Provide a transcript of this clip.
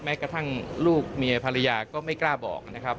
กระทั่งลูกเมียภรรยาก็ไม่กล้าบอกนะครับ